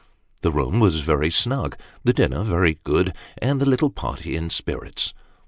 The room was very snug, the dinner very good, and the little party in spirits.